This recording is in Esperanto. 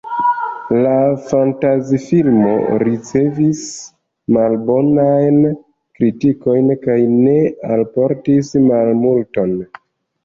La fantazi-filmo ricevis malbonajn kritikojn kaj ne alportis malmulton.